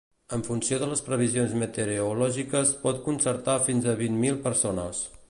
En funció de les previsions meteorològiques, pot concentrar fins a vint mil persones.